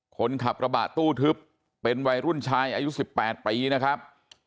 คนขับกระบะตู้ทึบเป็นวัยรุ่นชายอายุ๑๘ปีนะครับ